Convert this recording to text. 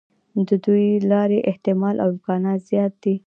د دې لارې احتمال او امکان زیات دی.